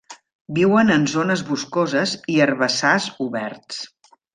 Viuen en zones boscoses i herbassars oberts.